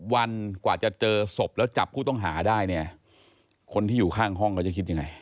วันกว่าจะเจอศพแล้วจับผู้ต้องหาได้เนี่ยคนที่อยู่ข้างห้องเขาจะคิดยังไง